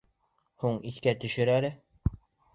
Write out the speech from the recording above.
Һуң иҫкә төшөр әле!